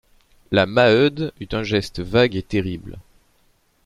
La Maheude eut un geste vague et terrible.